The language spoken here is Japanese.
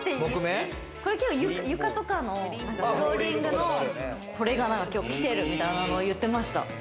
床とかのフローリングのこれがきょう出るみたいなのを言ってました。